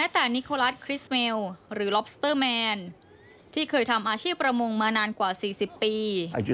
ทำอาชีพประมงมานานกว่า๔๐ปี